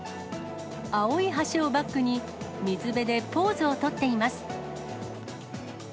青い橋をバックに、水辺でポーズをとっています。